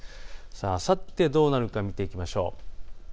あさってどうなるか見ていきましょう。